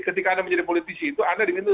ketika anda menjadi politisi itu anda dengan